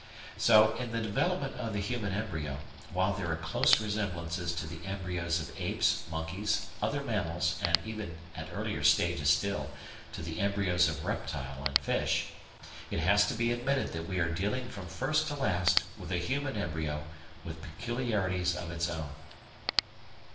So in the development of the human embryo, while there are close resemblances to the embryos of apes, monkeys, other mammals, and even, at earlier stages still, to the embryos of reptile and fish, it has to be admitted that we are dealing from first to last with a human embryo with peculiarities of its own.